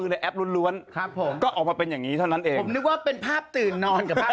นอนกับภาพตอนเงิน